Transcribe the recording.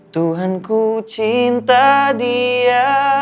tuhanku cinta dia